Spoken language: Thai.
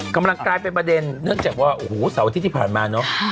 กำลังกลายเป็นประเด็นเนื่องจากว่าโอ้โหเสาร์อาทิตย์ที่ผ่านมาเนอะ